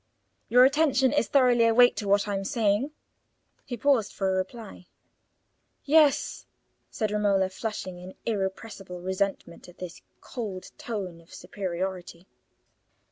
Your attention is thoroughly awake to what I am saying?" He paused for a reply. "Yes," said Romola, flushing in irrepressible resentment at this cold tone of superiority.